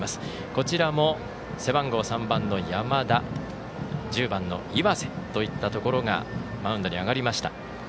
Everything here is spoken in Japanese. こちらも背番号３番の山田１０番の岩瀬といったところがマウンドに上がりました。